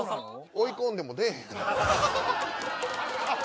追い込んでも出えへんやろあっ